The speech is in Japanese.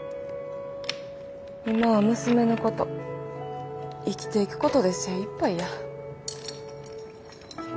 今は娘のこと生きていくことで精いっぱいや。